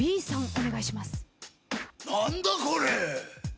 お願いします。